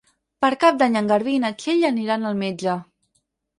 Per Cap d'Any en Garbí i na Txell aniran al metge.